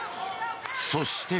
そして。